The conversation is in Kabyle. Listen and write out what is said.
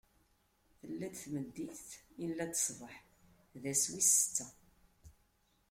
Tella-d tmeddit, illa-d ṣṣbeḥ: d ass wis setta.